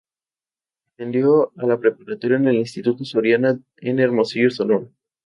Atendió a la preparatoria en el Instituto Soria en Hermosillo, Sonora.